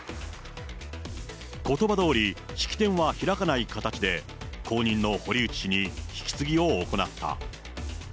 ことばどおり、式典は開かない形で後任の堀内氏に引き継ぎを行った。